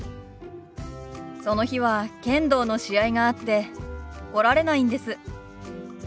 その日は剣道の試合があって来られないんです。